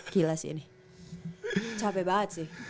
gila sih ini capek banget sih